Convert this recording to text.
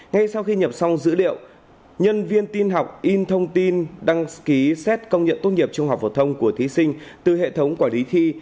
ngay sau khi nhập xong dữ liệu nhân viên tin học in thông tin đăng ký xét công nhận tốt nghiệp trung học phổ thông của thí sinh từ hệ thống quản lý thi